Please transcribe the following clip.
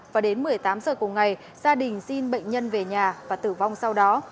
và đến một mươi tám giờ cùng ngày gia đình xin bệnh nhân về nhà và tử vong sau đó